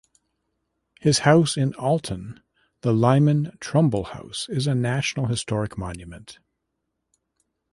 His house in Alton, the Lyman Trumbull House, is a National Historic Monument.